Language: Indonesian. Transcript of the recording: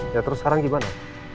ya terus sekarang gimana